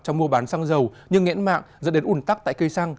trong mua bán xăng dầu như nghẽn mạng dẫn đến ủn tắc tại cây xăng